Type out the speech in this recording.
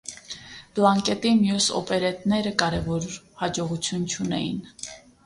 Պլանկետի մյուս օպերետները կարևոր հաջողություն չունեին։